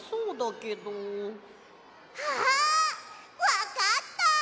わかった！